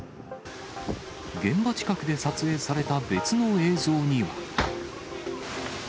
現場近くで撮影された別の映像には。